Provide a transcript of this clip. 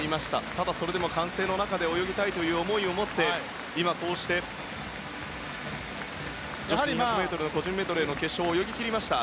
ただ、それでも歓声の中で泳ぎたいという思いを持って今、こうして女子２００ｍの個人メドレーの決勝を泳ぎ切りました。